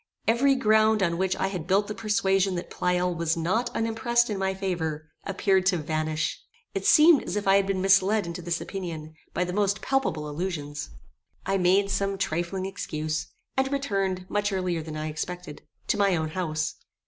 Every ground on which I had built the persuasion that Pleyel was not unimpressed in my favor, appeared to vanish. It seemed as if I had been misled into this opinion, by the most palpable illusions. I made some trifling excuse, and returned, much earlier than I expected, to my own house.